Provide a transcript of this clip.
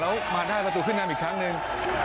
แล้วมาได้ประตูขึ้นนำอีกครั้งหนึ่ง